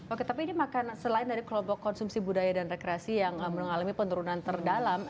oke tapi ini makan selain dari kelompok konsumsi budaya dan rekreasi yang mengalami penurunan terdalam